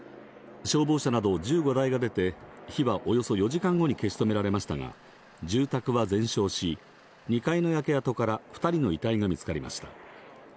消防車など１５台が出て、火はおよそ４時間後に消し止められましたが、住宅は全焼し、２階の焼け跡から２人の遺体が見つかりました。